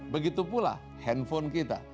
begitu pula handphone kita